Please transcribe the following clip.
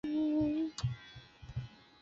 是琉球传说中第二个王朝。